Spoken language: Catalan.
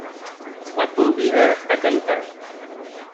La convida a cantar.